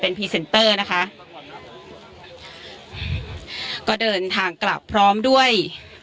พรีเซนเตอร์นะคะก็เดินทางกลับพร้อมด้วย